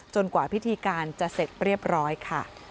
กว่าพิธีการจะเสร็จเรียบร้อยค่ะ